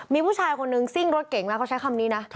มีผู้ชายคนนึงซิ่งรถเก่งแล้วเขาใช้คำนี้นะ